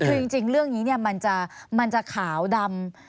คือจริงเรื่องนี้มันจะขาวดำ